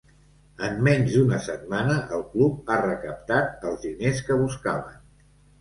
En menys d’una setmana el club ha recaptat els diners que buscaven.